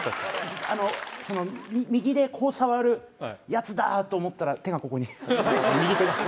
右でこう触るやつだと思ったら手がここに右手がここに。